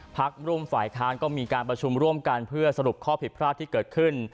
พักร่วมฝ่ายค้านก็มีการประชุมร่วมกันเพื่อสรุปข้อผิดพลาดที่เกิดขึ้น